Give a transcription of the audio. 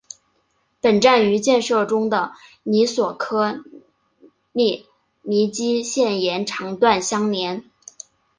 本站与建设中的及索科利尼基线延长段相连。